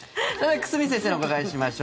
久住先生にお伺いしましょう。